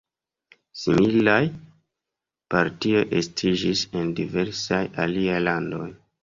Similaj partioj estiĝis en diversaj aliaj landoj.